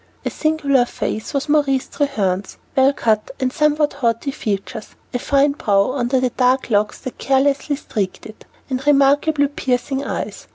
A singular face was Maurice Treherne's; well cut and somewhat haughty features; a fine brow under the dark locks that carelessly streaked it; and remarkably piercing eyes.